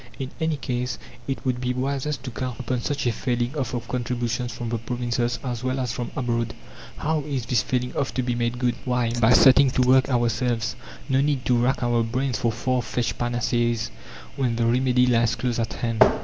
In any case it would be wisest to count upon such a falling off of contributions from the provinces as well as from abroad. How is this falling off to be made good? Why! by setting to work ourselves! No need to rack our brains for far fetched panaceas when the remedy lies close at hand.